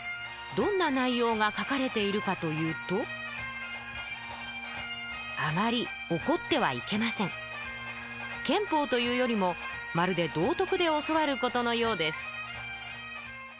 どんな内容が書かれているかというと憲法というよりもまるで道徳で教わることのようです